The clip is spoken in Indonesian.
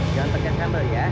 jontek dengan sambel ya